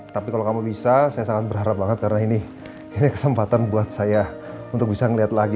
tapi kalau kamu bisa saya sangat berharap karena ini kesempatan untuk saya bisa melihat lagi